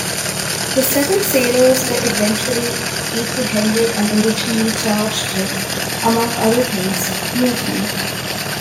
The seven sailors were eventually apprehended and originally charged with, among other things, mutiny.